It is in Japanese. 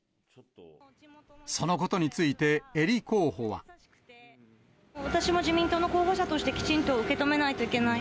そのことについて、私も自民党の候補者としてきちんと受け止めないといけない。